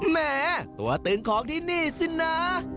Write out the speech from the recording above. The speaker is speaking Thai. แหมตัวตึงของที่นี่สินะ